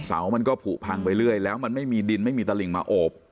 เสามันก็ผูกพังไปเรื่อยแล้วมันไม่มีดินไม่มีตลิ่งมาโอบ